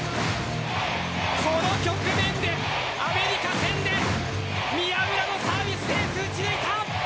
この局面で、アメリカ戦で宮浦のサービスエース打ち抜いた。